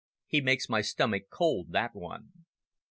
He makes my stomach cold, that one."